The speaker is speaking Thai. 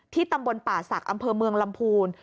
ตำบลป่าศักดิ์อำเภอเมืองลำพูน